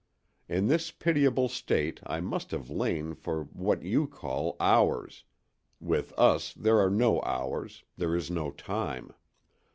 In this pitiable state I must have lain for what you call hours—with us there are no hours, there is no time.